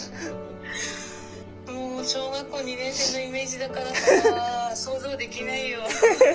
もう小学校２年生のイメージだからさ想像できないよ。